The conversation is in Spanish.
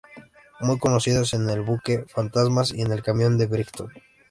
Muy conocidos son "El buque fantasma" y "En el camino de Brighton".